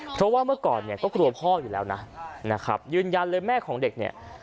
เพราะว่าเมื่อก่อนเนี่ยก็กลัวพ่ออยู่แล้วนะนะครับยืนยันเลยแม่ของเด็กเนี่ย